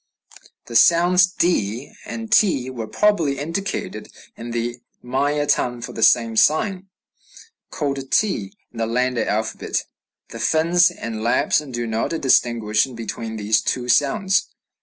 The sounds d and t were probably indicated in the Maya tongue by the same sign, called t in the Landa alphabet. The Finns and Lapps do not distinguish between these two sounds.